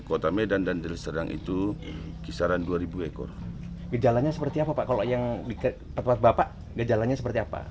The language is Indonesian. kalau yang dikatakan bapak gejalanya seperti apa